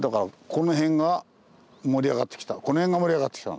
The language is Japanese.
この辺が盛り上がってきたんだ。